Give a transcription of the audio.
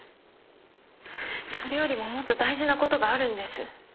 それよりももっと大事なことがあるんです。